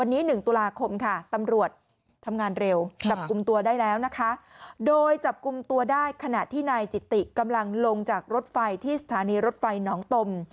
นำตัวได้ขณะที่นายจิตติกำลังลงจากรถไฟที่สถานีรถไฟนองตม